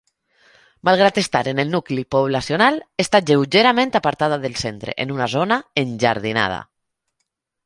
Malgrat estar en el nucli poblacional, està lleugerament apartada del centre, en una zona enjardinada.